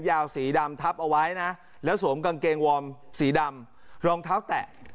ยาวสีดำทับเอาไว้นะแล้วสวมกางเกงวอร์มสีดำรองเท้าแตะ